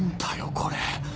これ